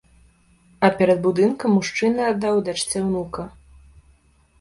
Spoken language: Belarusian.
А перад будынкам мужчына аддаў дачцэ ўнука.